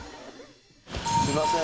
すみません。